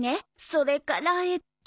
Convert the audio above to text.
それからえっと。